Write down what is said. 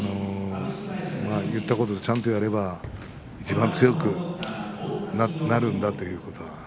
言ったことをちゃんとやればいちばん強くなるんだということは。